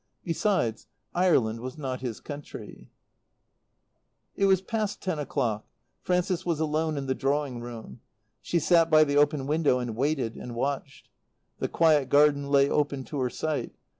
Besides, Ireland was not his country. It was past ten o'clock. Frances was alone in the drawing room. She sat by the open window and waited and watched. The quiet garden lay open to her sight.